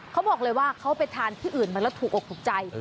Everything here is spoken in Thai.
เขาบอกเลยว่าเขาไปทานที่อื่นมาแล้วถูกอกถูกใจ